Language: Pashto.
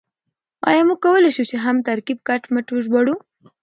آيا موږ کولای شو هر ترکيب کټ مټ وژباړو؟